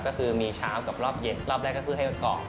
ก็คือมีเช้ากับรอบเย็นรอบแรกก็คือให้เกาะ